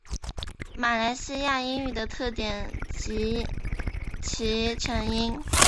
马来西亚英语的特点及其成因